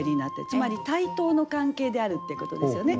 つまり対等の関係であるってことですよね。